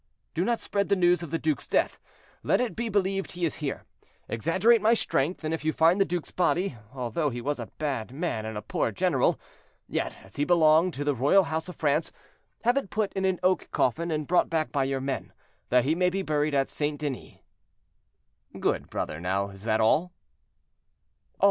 "Do not spread the news of the duke's death; let it be believed he is here. Exaggerate my strength, and if you find the duke's body, although he was a bad man and a poor general, yet, as he belonged to the royal house of France, have it put in an oak coffin and brought back by your men, that he may be buried at St. Denis." "Good, brother; now, is this all?" "All!